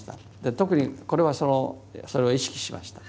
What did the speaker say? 特にこれはそれを意識しました。